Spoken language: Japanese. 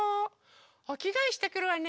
おきがえしてくるわね。